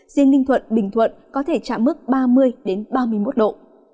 riêng ninh thuận bình thuận có thể trả mức ba mươi đến ba mươi một độ